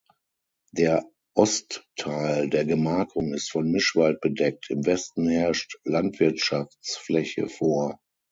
Der Ostteil der Gemarkung ist von Mischwald bedeckt, im Westen herrscht Landwirtschaftsfläche vor.